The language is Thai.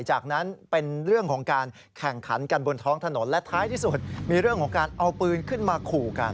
จากนั้นเป็นเรื่องของการแข่งขันกันบนท้องถนนและท้ายที่สุดมีเรื่องของการเอาปืนขึ้นมาขู่กัน